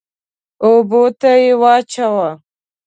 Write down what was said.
اوبو ته يې واچوه.